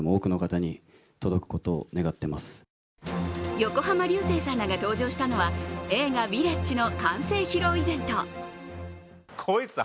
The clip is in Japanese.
横浜流星さんらが登場したのは映画「Ｖｉｌｌａｇｅ」の完成披露イベント。